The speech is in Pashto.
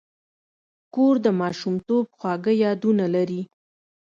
کور د ماشومتوب خواږه یادونه لري.